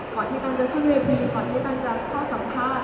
ก่อนที่ตันจะขึ้นเวทีก่อนที่ตันจะเข้าสัมภาษณ์